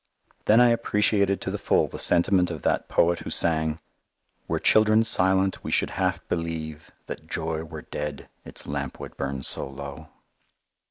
Then I appreciated to the full the sentiment of that poet who sang: "Were children silent, we should half believe That joy were dead, its lamp would burn so low."